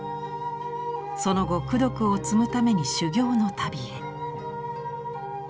その後功徳を積むために修行の旅へ。